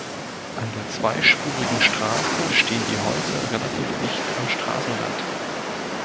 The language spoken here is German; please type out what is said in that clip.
An der zweispurigen Straße stehen die Häuser relativ dicht am Straßenrand.